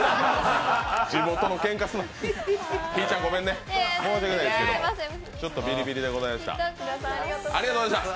地元のけんかすな、ひぃちゃんごめんね、申し訳ないですけどちょっとビリビリでございました。